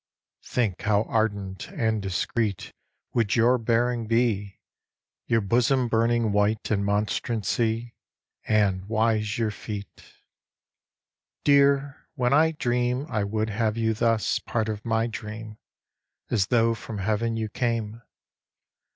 Think how ardent and discreet Would your bearing be, Your bosom burning white in monstrancy, And wise your feet ! Dear, when I dream I would have you thus Part of my dream, As though from heaven you came.